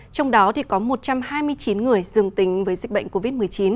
trong đó có một trăm hai mươi chín người dương tính với dịch bệnh covid một mươi chín